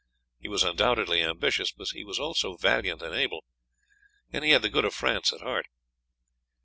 He was undoubtedly ambitious, but he was also valiant and able, and he had the good of France at heart.